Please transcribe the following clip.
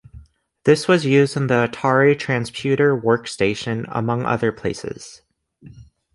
This was used in the Atari Transputer Workstation, among other places.